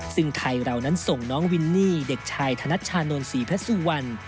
ซึ่งใครเรานั้นส่งน้องวินนี่เด็กชายธนชานนสีพระสุวรรณ